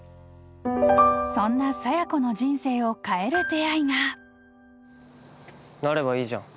そんな佐弥子の人生を変える出会いがなればいいじゃん